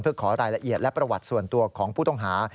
เพื่อขอรายละเอียดและประวัติส่วนตัวของผู้ต้องหา